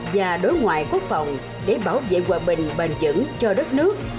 và đối ngoại quốc phòng để bảo vệ hòa bình bền dững cho đất nước